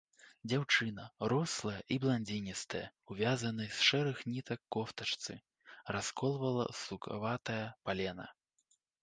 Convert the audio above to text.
Дзяўчына, рослая і бландзіністая, у вязанай з шэрых нітак кофтачцы, расколвала сукаватае палена.